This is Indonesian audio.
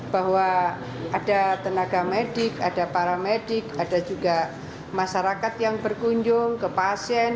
bahwa ada tenaga medik ada para medik ada juga masyarakat yang berkunjung ke pasien